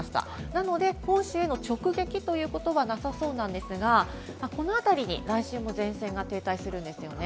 なので、本州への直撃ということはなさそうなんですが、このあたりに来週も前線が停滞するんですね。